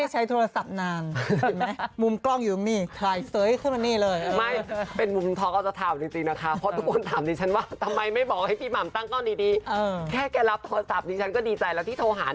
แจ็บเมื่อเมื่อก่อนเดี๋ยวมันวินิประจำ